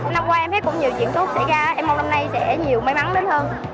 năm qua em biết cũng nhiều diễn tốt xảy ra em mong năm nay sẽ nhiều may mắn đến hơn